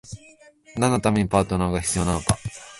何のためにパートナーが必要なのか？